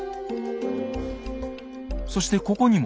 そしてここにも。